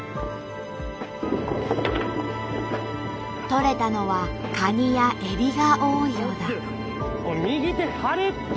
とれたのはカニやエビが多いようだ。